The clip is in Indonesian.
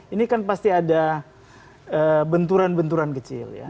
ini kan pasti ada benturan benturan kecil ya